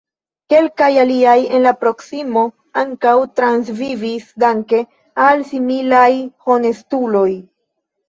Kelkaj aliaj en la proksimo ankaŭ transvivis danke al similaj honestuloj.